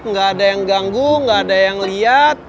nggak ada yang ganggu nggak ada yang lihat